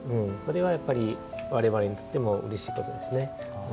それはやっぱり我々にとってもうれしいことですね。